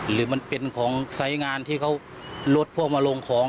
หรือมันเป็นของไซส์งานที่เขาลดพวกมาลงของ